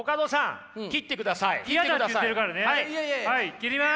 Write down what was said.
切ります！